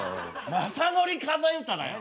「雅紀数え歌」だよ。